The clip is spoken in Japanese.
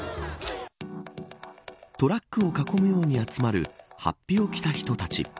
トラックを囲むように集まる法被を着た人たち。